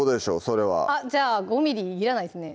それはじゃあ５ｍｍいらないですね